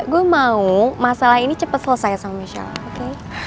gue mau masalah ini cepat selesai sama michelle oke